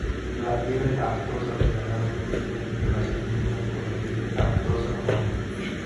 La fiebre aftosa del ganado no tiene relación ninguna con la fiebre aftosa humana.